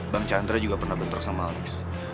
bang chandra juga pernah bentrok sama alex